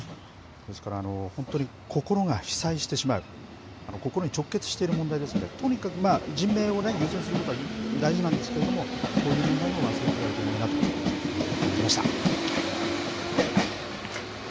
ですから、本当に心が被災してしまう、心に直結している問題ですんで、とにかく、人命を優先することは大事なんですけれども、こういう問題も忘れてはいけないなというふうに感じました。